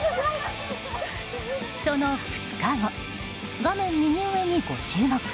その２日後、画面右上にご注目。